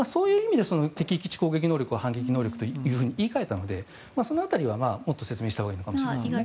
敵基地攻撃能力を反撃能力と言い換えたのでその辺りはもっと説明したほうがいいのかもしれないですね。